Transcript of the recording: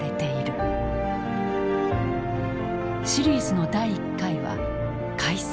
シリーズの第１回は「開戦」。